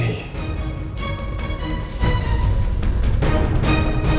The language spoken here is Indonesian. tidak ada apa apa